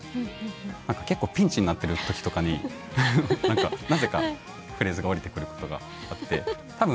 何か結構ピンチになってる時とかに何かなぜかフレーズが降りてくることがあって多分あ！